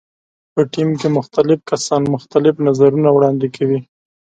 په ټیم کې مختلف کسان مختلف نظرونه وړاندې کوي.